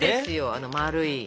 あの丸い。